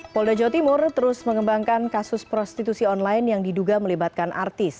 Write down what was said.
polda jawa timur terus mengembangkan kasus prostitusi online yang diduga melibatkan artis